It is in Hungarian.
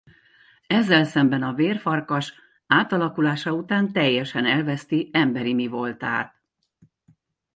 Ezzel szemben a vérfarkas átalakulása után teljesen elveszti emberi mivoltát.